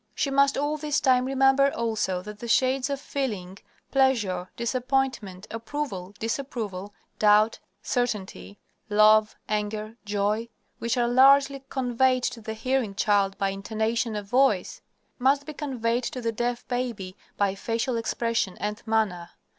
She must all this time remember, also, that the shades of feeling, pleasure, disappointment, approval, disapproval, doubt, certainty, love, anger, joy, which are largely conveyed to the hearing child by intonation of voice, must be conveyed to the deaf baby by facial expression and manner.